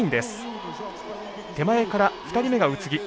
手前から２人目が宇津木